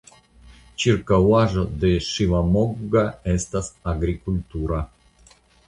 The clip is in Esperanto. Ĉirkaŭaĵo de Ŝivamogga estas agrikultura.